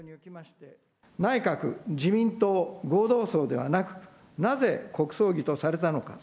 内閣・自民党合同葬ではなく、なぜ国葬儀とされたのか。